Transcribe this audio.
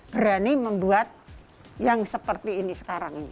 berani membuat yang seperti ini sekarang ini